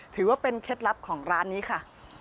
ถือว่าเป็นเคล็ดลับของร้านนี้ค่ะ